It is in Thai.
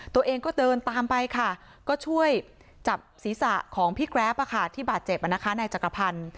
ตัวเองก็เดินตามไปค่ะก็ช่วยจับศีรษะของพี่แกรปที่บาดเจ็บนายจักรพันธ์